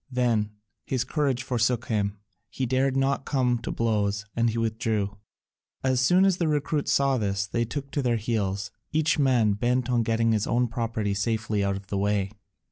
Then his courage forsook him; he dared not come to blows and he withdrew. As soon as the recruits saw this they took to their heels, each man bent on getting his own property safely out of the way.